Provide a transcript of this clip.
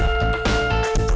ya udah lama kok